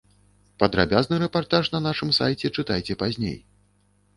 Падрабязны рэпартаж на нашым сайце чытайце пазней.